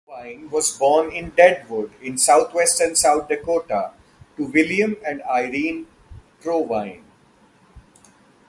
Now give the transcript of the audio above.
Provine was born in Deadwood in southwestern South Dakota, to William and Irene Provine.